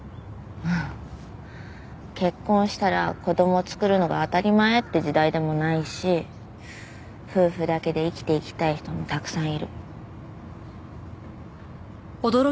結婚したら子供を作るのが当たり前って時代でもないし夫婦だけで生きていきたい人もたくさんいる。